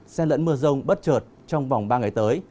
xe lẫn mưa rông bất chợt trong vòng ba ngày tới